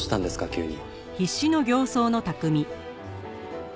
急に。